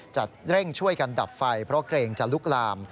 จะเร่งช่วยกันดับไฟเพราะเกรงจะลุกลาม